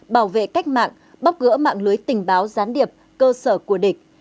bảo vệ cách mạng bóc gỡ mạng lưới tình báo gián điệp cơ sở của địch